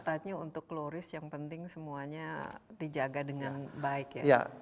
kita apetatnya untuk low risk yang penting semuanya dijaga dengan baik ya